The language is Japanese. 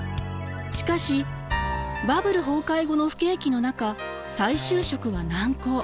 しかしバブル崩壊後の不景気の中再就職は難航。